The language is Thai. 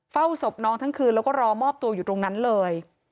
เฝ้าศพน้องทั้งคืนแล้วก็รอมอบตัวอยู่ตรงนั้นเลย